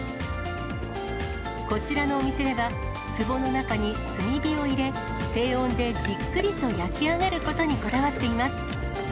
こちらのお店では、壷の中に炭火を入れ、低温でじっくりと焼き上げることにこだわっています。